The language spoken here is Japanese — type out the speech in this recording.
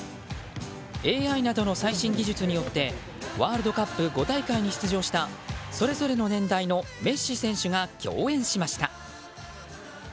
ＡＩなどの最新技術によってワールドカップ５大会に出場したそれぞれの年代のメッシ選手が共演しました。